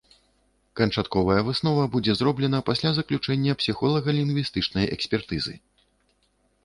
Канчатковая выснова будзе зроблена пасля заключэння псіхолага-лінгвістычнай экспертызы.